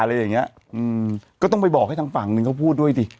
อะไรอย่างเงี้ยอืมก็ต้องไปบอกให้ทางฝั่งหนึ่งเขาพูดด้วยดิ